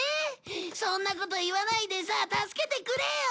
そんなこと言わないでさ助けてくれよ。